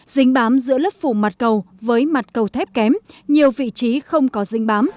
dính bám giữa lớp phủ mặt cầu với mặt cầu thép kém nhiều vị trí không có dính bám